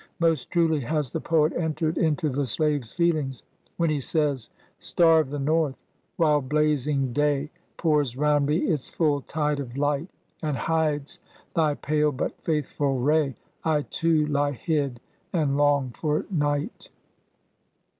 Most truly has the poet entered into the slave's feelings, when he says. —" Star of the North ! while blazing day Pouts round me its full tide of light, And hides thy pale but faithful ray, I, too, lie hid, an'" 3 , long for night."